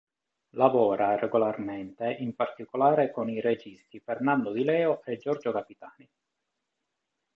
Lavora regolarmente in particolare con i registi Fernando Di Leo e Giorgio Capitani.